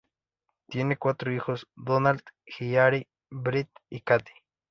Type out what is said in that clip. Tienen cuatro hijos: Donald, Hillary, Bret y Katie.